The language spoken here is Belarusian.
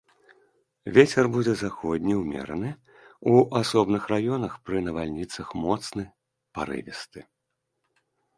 Вецер будзе заходні ўмераны, у асобных раёнах пры навальніцах моцны парывісты.